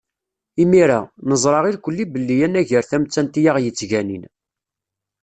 Imir-a, neẓra irkelli belli anagar tamettant i aɣ-yettganin.